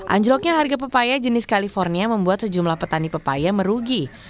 anjloknya harga pepaya jenis california membuat sejumlah petani pepaya merugi